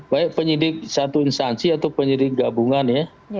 baik penyidik satu instansi atau penyidik gabungan ya